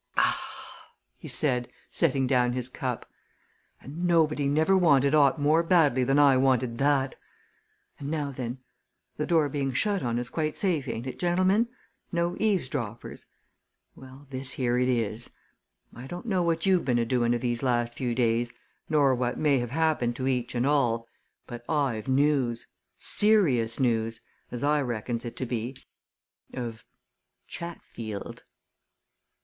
"Ah!" he said, setting down his cup. "And nobody never wanted aught more badly than I wanted that! And now then the door being shut on us quite safe, ain't it, gentlemen? no eavesdroppers? well, this here it is. I don't know what you've been a doing of these last few days, nor what may have happened to each and all but I've news. Serious news as I reckons it to be. Of Chatfield!"